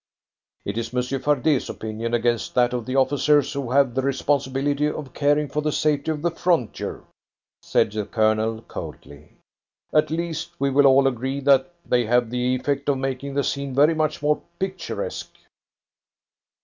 "It is Monsieur Fardet's opinion against that of the officers who have the responsibility of caring for the safety of the frontier," said the Colonel coldly. "At least we will all agree that they have the effect of making the scene very much more picturesque."